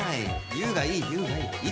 言うがいい言うがいい。